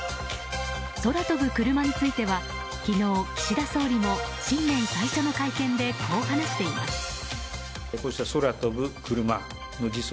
空飛ぶクルマについては昨日、岸田総理も新年最初の会見でこう話しています。